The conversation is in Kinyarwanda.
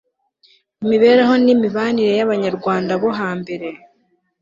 imibereho n'imibanire y'abanyarwanda bo hambere